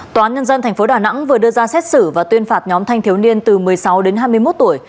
tòa án nhân dân tp đà nẵng vừa đưa ra xét xử và tuyên phạt nhóm thanh thiếu niên từ một mươi sáu đến hai mươi một tuổi